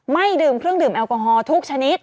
ดื่มเครื่องดื่มแอลกอฮอลทุกชนิด